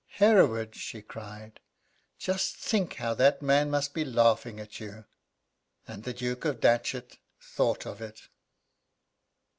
"Hereward," she cried, "just think how that man must be laughing at you!" And the Duke of Datchet thought of it.